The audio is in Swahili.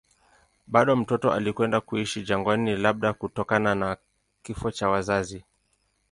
Bado mtoto alikwenda kuishi jangwani, labda kutokana na kifo cha wazazi.